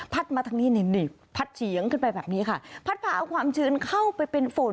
มาทางนี้นี่พัดเฉียงขึ้นไปแบบนี้ค่ะพัดพาเอาความชื้นเข้าไปเป็นฝน